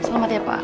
selamat ya pak